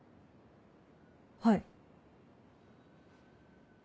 はい。